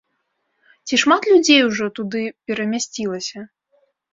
Ці шмат людзей ужо туды перамясцілася?